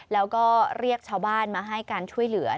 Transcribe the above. แล้วก็เรียกชาวบ้านมาให้การช่วยเหลือ